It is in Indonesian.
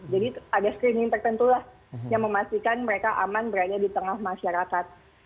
jadi ada screening tertentu lah yang memastikan mereka aman berada di tengah masyarakat